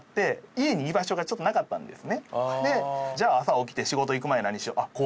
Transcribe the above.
じゃあ朝起きて仕事行く前何しようあっ公園行こう。